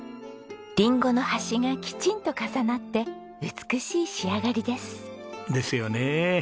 リンゴの端がきちんと重なって美しい仕上がりです。ですよね。